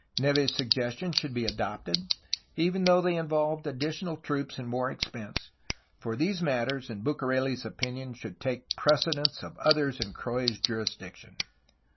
Neve's suggestions should be adopted, even though they involved additional troops and more expense, for these matters, in BucareU's opinion, should take precedence of others in Croix's juris diction.